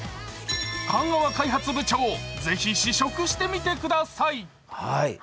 香川開発部長、ぜひ試食してみてください。